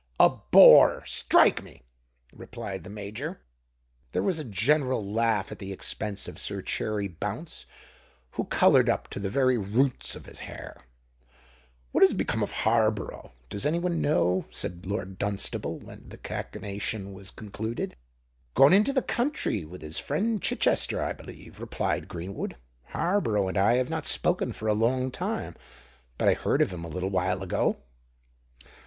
"A bore—strike me!" replied the major. There was a general laugh at the expense of Sir Cherry Bounce, who coloured up to the very roots of his hair. "What's become of Harborough, does any one know?" said Lord Dunstable, when the cachinnation was concluded. "Gone into the country with his friend Chichester, I believe," replied Greenwood. "Harborough and I have not spoken for a long time; but I heard of him a little while ago."